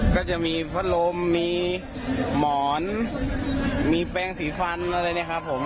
ก็จะมีพัดลมมีหมอนมีแปลงสีฟันอะไรเนี่ยครับผม